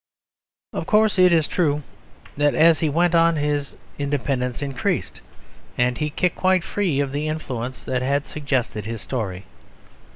Of course it is true that as he went on his independence increased, and he kicked quite free of the influences that had suggested his story.